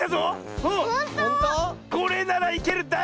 これならいける！